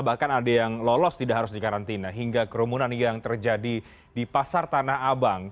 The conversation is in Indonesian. masa yang terjadi di pasar tanah abang